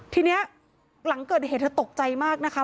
ทีนี้หลังเกิดเหตุเธอตกใจมากนะคะ